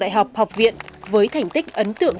đại học học viện với thành tích ấn tượng